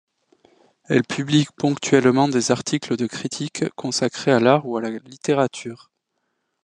Elle publie ponctuellement des articles de critique consacrés à l'art ou à la littérature.